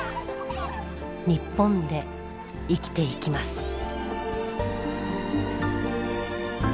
日本で生きていきます。